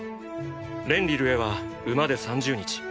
レンリルへは馬で３０日。